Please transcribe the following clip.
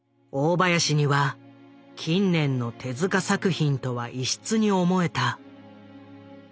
林には近年の手作品とは異質に思えた。